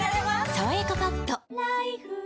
「さわやかパッド」